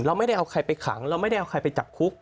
เราไม่ได้เอาใครไปขังเราไม่ได้เอาใครไปจับคุก